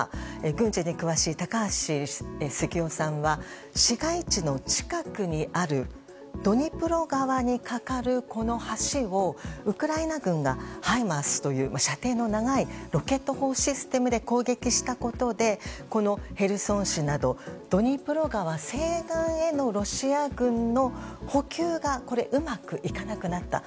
軍事に詳しい高橋杉雄さんは市街地の近くにあるドニプロ川にかかる、この橋をウクライナ軍がハイマースという射程の長いロケット砲システムで攻撃したことでこのヘルソン市などドニプロ川西岸へのロシア軍への補給がうまくいかなくなった。